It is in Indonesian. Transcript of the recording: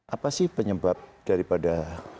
apa sih penyebab daripada